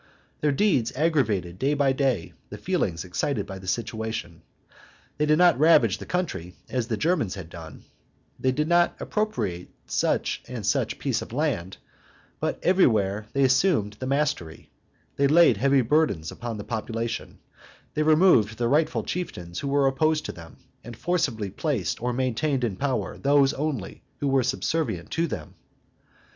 Their deeds aggravated day by day the feelings excited by the situation; they did not ravage the country, as the Germans had done; they did not appropriate such and such a piece of land; but everywhere they assumed the mastery: they laid heavy burdens upon the population; they removed the rightful chieftains who were opposed to them, and forcibly placed or maintained in power those only who were subservient to them.